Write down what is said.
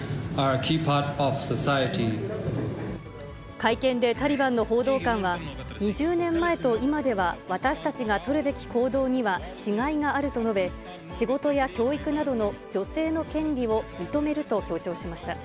会見でタリバンの報道官は、２０年前と今では、私たちが取るべき行動には違いがあると述べ、仕事や教育などの女性の権利を認めると強調しました。